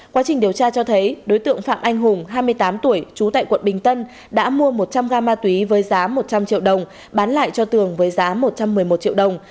quá trình điều tra cho thấy đối tượng phạm anh hùng hai mươi tám tuổi trú tại quận bình tân đã mua một trăm linh ga ma túy với giá một trăm linh triệu đồng bán lại cho tường với giá một trăm một mươi một triệu đồng